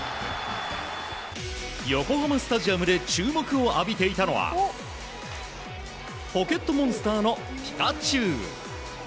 横浜スタジアムで注目を浴びていたのは「ポケットモンスター」のピカチュウ。